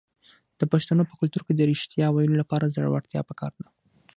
د پښتنو په کلتور کې د ریښتیا ویلو لپاره زړورتیا پکار ده.